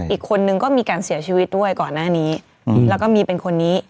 อีกคนนึงก็มีการเสียชีวิตด้วยก่อนหน้านี้แล้วก็มีเป็นคนนี้